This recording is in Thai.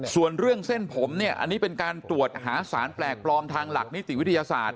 ส่วนเรื่องเส้นผมเนี่ยอันนี้เป็นการตรวจหาสารแปลกปลอมทางหลักนิติวิทยาศาสตร์